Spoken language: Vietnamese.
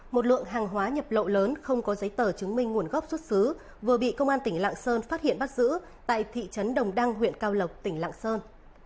một lượng hàng hóa nhập lậu lớn không có giấy tờ chứng minh nguồn gốc xuất xứ vừa bị công an tỉnh lạng sơn phát hiện bắt giữ tại thị trấn đồng đăng huyện cao lộc tỉnh lạng sơn